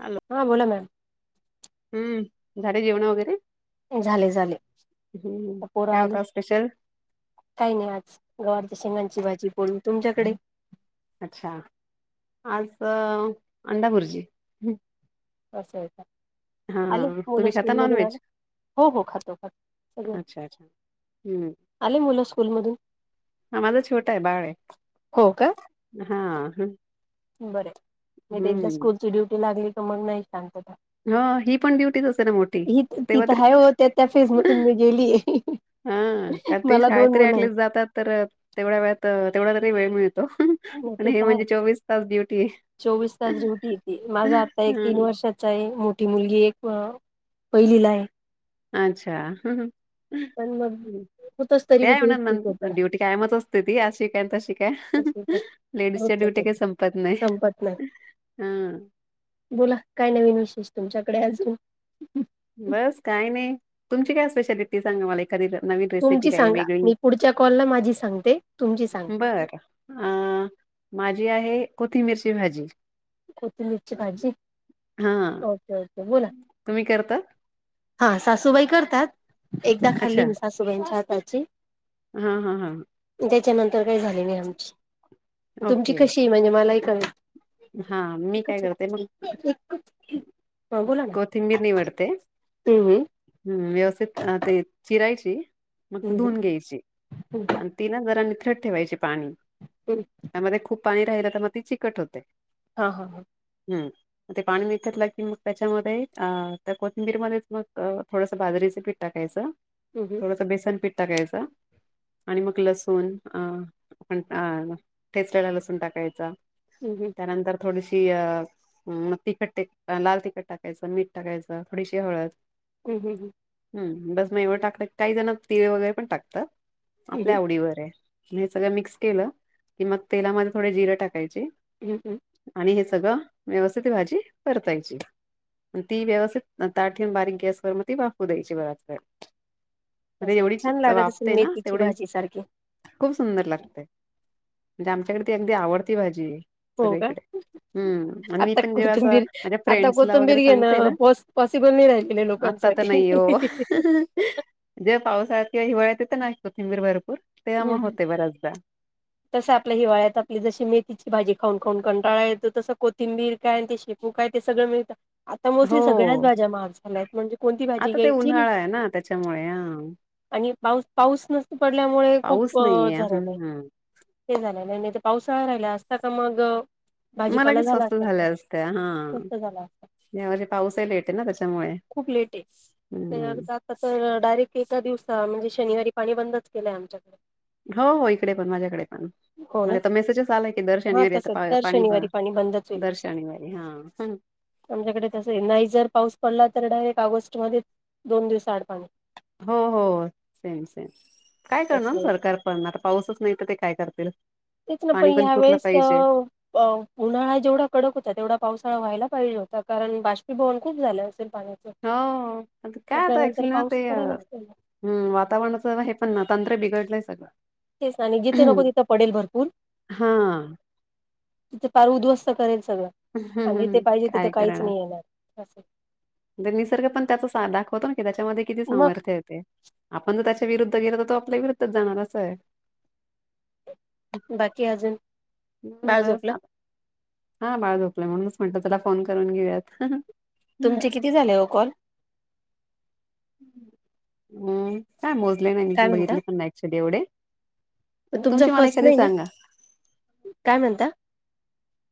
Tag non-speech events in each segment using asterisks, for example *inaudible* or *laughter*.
Hello, हां बोला ma'am. हम्म झाले जेवण वगैरे? झाले झाले हम् पोरं काय आले होता स्पेशल? काही नाही आज गवारच्या शेंगांची भाजी पोळी तुमच्याकडे? अच्छा, आज अंडा बुर्जी अस हाय तर हा आले. मुलं तुम्ही खाता स्कूल नॉन मधून आले. व्हेज हो हो खातो खातो सगळे अच्छा अच्छा हम्म आले मुलं स्कूलमधून? हा माझा छोटा आहे बाळ हो हा ह. बर हाय ते एकदा स्कूलची ड्युटी लागली तर मग नाही शांतता. ह ही पण ड्युटी असते ना मोठी ही ती तेव्हा तर आहे हो त्या त्या फेज मधून मी गेली हा कारण ते मला दोन शाळेतरी मुलं आहेत ऍटलिस्ट जातात तर तेवढ्या वेळात तेवढा तरी वेळ मिळतो. आणि नाहीतर हे काय म्हणजे चोवीस तास ड्युटी आहे चोवीस तास ड्युटी येते माझा आता एक तीन वर्षात च आहे मोठी मुलगी एक पहिलीला आहे. अच्छा. पण मग होतच तरी ते बी आहे म्हणा एकटीक होत ना ड्युटी कायमच असते ती अशी काय तशी काय. तस काय लेडीजच्या रोजचच ड्युटी होत काही संपत नाही संपत नाही हा. बोला काय नवीन विशेष तुमच्याकडे अजून? बस काही नाही तुमची काय स्पेशालिटी? सांगा मला एखादी नवीन रेसिपी तुमची काय सांगा वेगळी, मी पुढच्या कॉलला माझी सांगते तुमची सांगा बर. अ माझी आहे, कोथिंबिरची भाजी. कोथिंबिरची भाजी, हा ओके ओके. बोला तुम्ही करतात? हा सासूबाई करतात, एकदा अच्छा खाल्ली मी सासूबाईंच्या हाताची. हा हा हा. त्याच्यानंतर काय झाले नाही आमची, तुमची ओके कशी म्हणजे मला ही कळेल? हा मी काय करते मग? हा बोला ना कोथिंबीर निवडते. हम्म हम्म, व्यवस्थित ते चिरायची, मग हम्म धुन घ्यायची. हम्म तिला ना जरा निथरट ठेवायची पाणी. *unintelligible* *inaudible* त्यामध्ये खूप पाणी राहिलं, तर मग ती चिकट होते. हा हा, हो. हम्म. ते पाणी व घेतलं की मग, त्याच्यामध्ये त्या कोथिंबीरमध्ये मग थोडसं बाजरीचे पीठ टाकायचं. हम्म हम्म. थोडस बेसन पिठ् टाकायच. आणि मग लसूण अ आपण ठेचल्याला लसूण टाकायचा. हम्म हम्म. त्यानंतर थोडीशी अ मग तिखट, लाल तिखट टाकायचं, मीठ टाकायचं, थोडीशी हळद. हम्म हम्म हम्म. हम्म, बस मग एवढं टाकलं काही जण तिळे वगैरे पण टाकतात, आपल्या हम्म आवडीवर आहे. हे सगळं मिक्स केलं, की मग तेलामध्ये थोडे जिरे टाकायचे. हम्म हम्म. आणि हे सगळं व्यवस्थित भाजी परतायची. ती व्यवस्थित ताठ ठेून बारीक गॅसवर मग ती वाफू द्यायची बराच वेळ. अरे असं एवढीच छान लागत असेल वाफते ना मेथीची तेवढी भाजी सारखी खूप सुंदर लागतय, म्हणजे आमच्याकडे ती अगदी आवडती भाजी आहे, हो का सगळीकडे. हम्म, आणि मी आता पण जेव्हा असं कोथिंबीर माझ्या आता फ्रेंडस ला कोथंबीर वगैरे सांगते घेणं ना पॉस पॉसिबल नाही राहिलेलं आता लोकांसाठी. नाही ये, हो. जे पावसाळ्यात किंवा हिवाळ्यात तिथे कोथिंबीर भरपूर, तेव्हा मग होते बऱ्याचदा. तस आपल्या हिवाळ्यात आपली जशी मेथीची भाजी खाऊन खाऊन कंटाळा येतो, तसं कोथिंबीर काय हो, काय ते सगळं मिळत. आता हो मोस्टली सगळ्याच भाज्या महाग झाल्या आहेत, म्हणजे कोणती भाजी आता ते घ्यायची आणि उन्हाळा आहे ना त्याच्यामुळे हा आणि पाऊस-पाऊस नस पडल्यामुळे पाऊस खूप अह नाहीये झरायलाय. हम्म ते झालं नाही, नाही तर पावसाळा राहिला असता का मगं मग लगेच स्वस्त झाले असत्या हां. स्वस्त झाला असता. यावर्षी पाऊसही लेट आहे ना, त्याच्यामुळे खूप लेट आहे. तर हम्म. आता तर डायरेक्ट एका दिवसा म्हणजे, शनिवारी पाणी बंदच केलंय आमच्याकडे हो हो, इकडे पण माझ्याकडे पण, हो म्हणजे ना आता मेसेजस आलाय, की दर हा शनिवारी आता तसंच पा दर पाणी शनिवारी बंदच होईल दर असं शनिवारी हा. आमच्याकडे तस आहे, नाही जर पाऊस पडला तर डायरेक्ट ऑगस्ट मध्ये दोन दिवस आड पाणी. हो हो सेम सेम काय कसं करणार होईल सरकार पडणार पाऊसच नाही तर ते काय करतील. तेथ ना पण पाणी या पुरलं वेळेस. पाहिजे अ उन्हाळा जेवढा कडक होता तेवढा पावसाळा व्हायला पाहिजे होता कारण बाष्पीभवन खूप झालं असेल पाणी. हो आता काय आता ऍक्चुली ना पाऊस ते. पडायलाच पाहिजे हम्म वातावरणाचं हे पण ना तंत्र बिघडलंय सगळं. तेच ना जिथे नको तिथं पडेल भरपूर. हा तिथं पार उद्ध्वस्त करेल सगळं आणि जिथे पाहिजे तिथे काय काहीच करणार नाही येणार असं. निसर्ग पण त्याचाच स दाखवतो ना की त्याच्यामध्ये किती मग सामर्थ्य आहे. आपण जर त्याच्या विरुद्ध गेलो तर तो आपल्या विरुद्धच जाणार असं आहे. बाकी अजून हम्म बाळं बस झोपलं? आता हा बाळ झोपलंय म्हणूनच म्हटलं तुला फोन करून घेऊयात. तुमचे किती झाले हो कॉल? हम्म काय मोजले नाही काय मी म्हणता बघितली पण नाही *unintelligible* एवढे तुमचा तुमची मला फर्स्ट एखादी नाही ना सांगा काय म्हणता?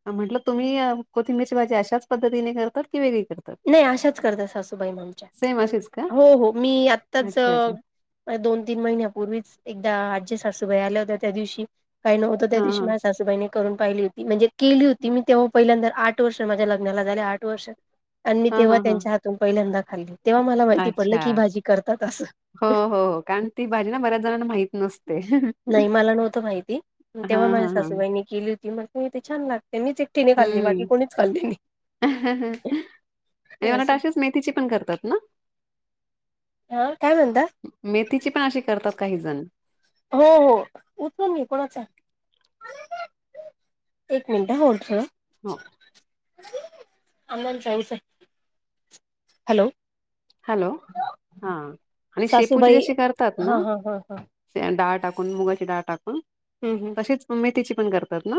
अह म्हटलं तुम्ही कोथिंबीरची भाजी अशाच पद्धतीने करतात की वेगळी करत. नाही अशाच करत सासूबाई आमच्या सेम अशीच का हो हो मी आत्ताच अच्छा अह अच्छा मागे दोन तीन महिन्यापूर्वीच एकदा आज्या सासूबाई आल्या होत्या त्या दिवशी काही नव्हतं त्या हा दिवशी माझ्या सासू बाईने करून पाहिली होती म्हणजे केली होती मी तेव्हा पहिल्यांदा आठ वर्ष माझ्या लग्नाला झाले आठ वर्ष आणि मी हा हा तेव्हा हा हा त्यांच्या हातून पहिल्यांदा खाल्ली तेव्हा मला माहिती पडलं की ही अच्छा. भाजी करतात असं. हो हो कारण ती भाजी ना बऱ्याच जणांना माहित नसते. नाही मला नव्हतं माहिती, हा तेव्हा माझ्या हा हा सासूबाईनी केली होती मग ही तर छान लागते मीच एक तिने खाल्ली बाकी हम्म. कोणीच खाल्ली नाही आणि मला वाटतं असं. अशीच मेथीची पण करतात ना. हा काय म्हणतां. मेथीची पण अशी करतात काही जण हो हो उचलून घे कोणाचा एक मिनिटं होल्ड करा. हो. आण्णांचा हाय उचलं हॅलो हॅलो हा आणि शेपूची सासूबाई जशी करतात हा ना. हा हा हा शेंग डाळ टाकून मुगाची डाळ टाकून हम्म हम्म. तशीच मेथीची पण करतात ना.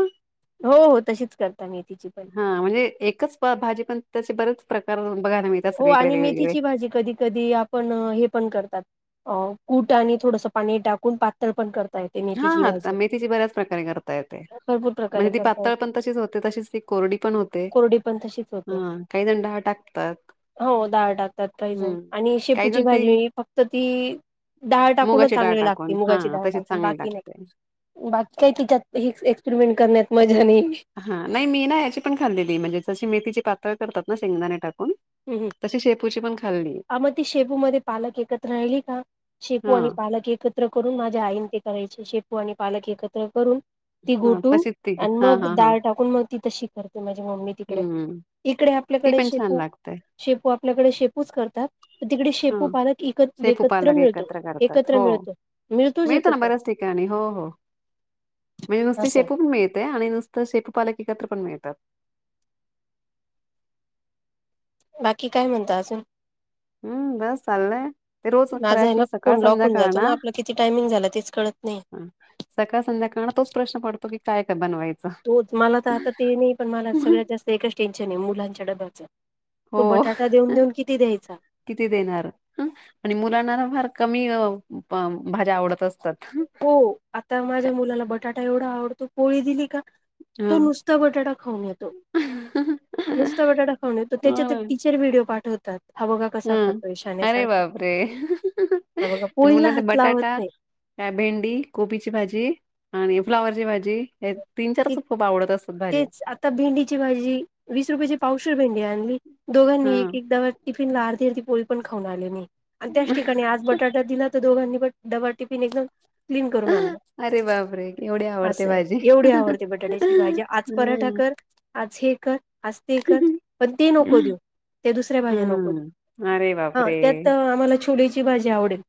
हो हो तशीच करता मेथीची पण हा म्हणजे एकच प भाजी पण त्याचे बरेच प्रकार बघायला मिळतात हो सगळीकडे आणि वेगवेगळे. मेथीची भाजी कधी कधी आपण हे पण करतात, अ कूट आणि थोडसं पाणी टाकून पातळ पण करता येत. हा हा आता मेथीची बऱ्याच प्रकारे करता येते भरपूर प्रकारे म्हणजे ती करता पातळ येते पण तशीच होते तशीच ती कोरडी पण होती. कोरडी पण तशीच होती. हां काही जणं डाळ टाकतात. हो डाळ टाकतात काहीजण हं. आणि काही शेपूची जण ती भाजी फक्त ती डाळ टाकूनच मुगाची डाळ चांगली लागते, टाकून. मुगाची हां, डाळ तशीच टाकून चांगली बाकी नाही. लागते. बाकी काही तिच्यात हे एक्सपेरिमेंट करण्यात मजा नाही. हा नाही मी ना याची पण खाल्लेली म्हणजे जशी मेथीची पातळ करतात ना शेंगदाणे टाकून. तशी शेपूची पणं खाल्ली आं मंग ती शेपूमध्यें पालक एकत्रं राहिली कां शेपू हा आणि पालक एकत्रं एकत्रं करूंन माझ्यां आईन ते करायचे शेपू आणि पालक एकत्रं करूंन ती हा गोठूंन तशीच ती आणि हा मंग हा हा डाळं टाकूंन मंग ती तशी करते माझी मम्मी तिकडे हम्म ईकडे ती आपल्यांकडे पण छान शेपू लागते शेपू आपल्यांकडे शेपूचं करतांत. तिकडे हा शेपू पालक एक शेपू एकत्रं पालक मिळतो एकत्र करतात एकत्रं मिळतो मिळतोचं एकत्रं. आणि हो हो म्हणजे नुसती असं आहे. शेपू पणं मिळते आणि नुस तरं शेपू पालक एकत्रं पणं मिळतातं. बाकी कायं म्हणतां अजूंन? हम्म बस चाललंय ते रोज खरं माझं आहे नां ऍक्च्युली सकाळ फोन लॉक होऊन संध्याकाळ जातो नां आपला किती टाइमिंग झालां तेचं कळतं नाहीं हं सकाळं संध्याकाळ तोच प्रश्न पडतो की कायं कायं बनवायचं तोंच मला तरं आता ते नाहीं पणं मलां सगळ्यांत जास्तं एकचं टेन्शन आहे मुलांच्या डब्याचं तो हो बटाटा देऊंन देऊंन किती द्यांयचा किती देणारं हं आणि मुलांना फांर कमी भाज्यां आवडतं असतांत हो आतां माझ्यां मुलांला बटाटा एवढां आवडतो पोळी दिली कां तो हं नुसतां बटाटा खाऊंन येतो नुसतां बटाटा खाऊंन येतो त्यांच्या चे व्हिडिओ पाठवतांत हम्मं अरे बापरे हा बघा पोळीला तुम्हांला तरं हात लावत बटाटा नाही कां भेंडी कोबीची भांजी आणि फ्लॉवरची भांजी हे तीनं चारचं खूंप आवडतं असतांत भांज्या तं भेंडीची भांजी वीस रुपयाेची पावशीर भेंडी आणली दोघांनी हा एक एकदाचं टिफिन ला अर्धी अर्धी पोळी पणं खाऊंन आले नाही आणि त्याचं ठिकाणी आंज बटाटा दिला दोघांनी पणं डब्बा टिपिन एकदंम क्लीन करूंन आणलां अरे बापरे एवढी आवडते असं भाजी आहे एवढी आवडते बटाट्यांची भांजी आंज परांठा हम्म करं आंज हे करं आंज ते करं पणं ते नको देऊं ते दुसऱ्यां भांज्या नकोच हम्म अरे बापरे त्यांत आम्हांला छोलेची भांजी आवडेल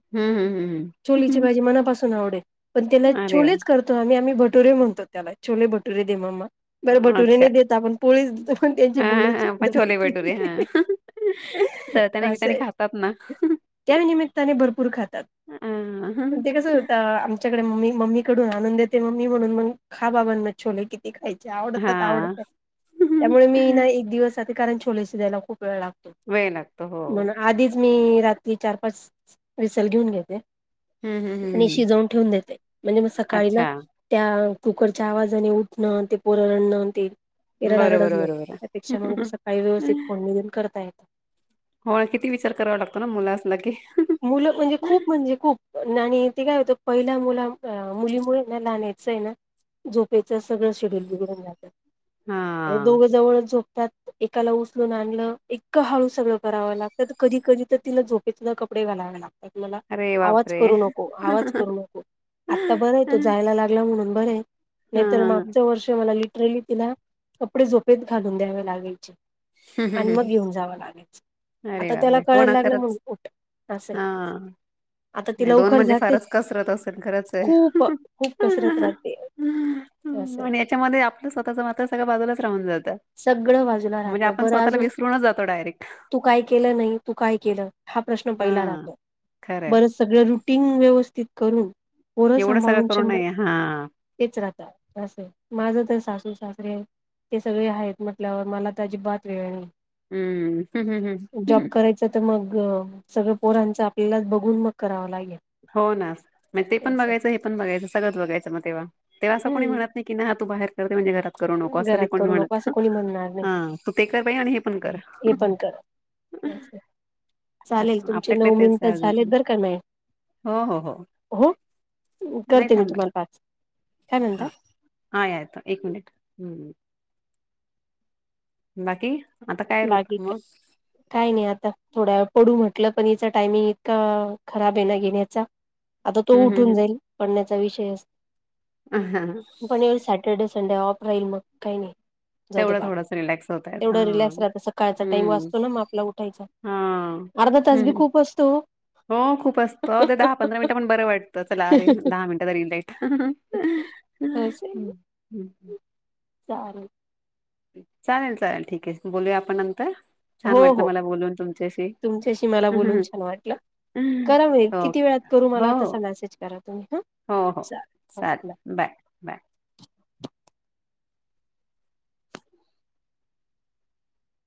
हम्म हम्म छोलीची हम्म भांजी मनापांसून आवडेल पणं त्यांला अरे वा छोलेचं करतं आम्हीं आम्हीं भटुरेणतो त्यांला छोले भटुरे दे मम्मा बरं भटुरे अच्छा. नाहीं देतं आपणं पोळीच पणं त्यांची हां, बोलायंची पद्धत तरं त्यां निमत्यांनी खातांत नां त्यांनिमित्ताने भरंपूर खातांत पणं हां. ते कसं तरं आमच्यांकडे मम्मी मम्मी कडूंन आंणून देते मम्मी म्हणूंन मंग खां बाबांनाच छोले कीति ते खांयची आवडतं हां. आवडतं त्यांमुळे मी ना एक दिवसं जाते कारणं छोलेशी द्यांयला खूंप वेळ लागतो वेळ लागतो. हो. मंग आधीचं मी रात्री चार पांच विसल घेऊंन घेते हं, हं, हं, आणि हं. शिजवूंन ठेवूंन देते म्हणजे मंग सकाळीं नां अच्छा. त्यां कुकरच्यां आवांजाने उठणं ते पोर रडणं आणी ते ते बरोबर, रडारडच बरोबर. नको मंग सकाळी व्यवस्थित फोडणी देऊन करतां येते हो किती विचार करांवा लागतो नां मुलं असले की मुलं म्हणजे खूंप म्हणजे खूंप आणि ते कायं होतं पहिल्यां मुलां मुलीमुळे नां लनायचं आहे नां झोपेचं सगळं शेड्यूल बघडूंन जातं हां. दोघं जवळं झोपतांत एकांला उचलूंन आणलं एकं हळू सगळं करावं लागतं कधीं कधीं तरं तिलां झोपेतलं कंप कडे वालांव लागतांत मलां अरे आवांज बापरे! करूं नको आवांज करूं नको आंता बरं आहे तो हां, जायंला लागला म्हणून बरय. नाही हां, तर हां. मागच वर्ष मला लिटरली तिला- कपडे झोपेत घालून द्यावे लागायचे. आणि मग घेऊन जावं लागायच. आता त्याला कळायला लागलंय म्हणून उठ- असं आहे हा. आता ति लवकर जाते. असेल खरंच आहे. खूप खूप कसरत राहते. असं. प याच्यामध्ये आपलं स्वतःचं मात्र सगळ बाजूलाच राहून जातं. सगळं बाजूला. म्हणजे राहतं आपण बरं स्वतःला अजून विसरूनच जातो डायरेक्ट. तू काय केलं नाही? तू काय केलं? हा प्रश्न हा पहिला राहतो. खरंय. सगळ रुटीन व्यवस्थित करून, पोरं एवढं सगळं सांभाळून करून शंभर- नाही हा तेच राहत असं. माझं तर सासू सासरे- ते सगळे आहेत म्हटल्यावर मला तर अजिबात वेळ नाही. हम्म. ह ह ह त्या तर मग सगळं पोरांचं आपल्याला बघून मग करावं लागेल. हो ना. ते पण असं बघायचं हे पण बघायचं सगळं बघायचं मग तेव्हा. तेव्हा असं कोणी हम्म म्हणत- नाही तू बाहेर कर, मी घरात- करू नको असं घरात नाही कोणी करू नको म्हणत. असं कोणी म्हणणार नाही हा. तू ते कर बाई आणि हे पण कर. हे पण करा आज चालेल तुमचे आपल्याकडे नऊ तेच मिनिट आहे झालेत अजून बर का मॅ - हो हो हो हो? नाही करते मी थांब बाई तुम्हाला पाच -काय म्हणता? हा हा येतो एक मिनिट. ह बाकी? आता काय रूट बाकी मग काय- काय नाही आता. थोड्या वेळ पडू म्हटलं, पण हिचा टायमिंग इतका खराब आहे ना येण्याचा. आता तो हम्म उठून हम्म जाईल. पडण्याचा विषयच - हम हा. पण ए सॅटर्डे संडे ऑफ राहील मग काही नाही. जाऊ दे तेवढं बा थोडंच रिलॅक्स होत आहेत हा एवढं रिलॅक्स राह- त सकाळचा टाइम हम्म वाचतो ना मग आपला उठायचा? हा अर्धा तास बी हम्म खूप असतो हो. हो खूप असतो. अहो, ते दहा पंधरा मिनिट पण बरं वाटतं. चला अरे दहा मिनिटं तरी येईट चालेल. चालेल चालेल ठीक आहे. बोलूया आपण नंतर. छान हो वाटलं हो. मला बोलून तुमच्याशी तुमच्याशी मला बोलून छान वाटलं. हो करा म. किती वेळात करू हो मला तसा मेसेज करा तुम्ही ह. हो हो. चालेल बाय. बाय